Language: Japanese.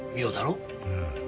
うん。